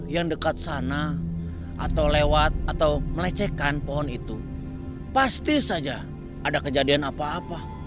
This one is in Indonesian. yang dekat sana atau lewat atau melecehkan pohon itu pasti saja ada kejadian apa apa